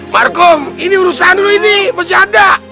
markum ini urusan lu ini bersyadak